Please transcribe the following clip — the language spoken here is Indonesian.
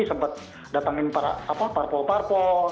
sempat datangin para parpo parpo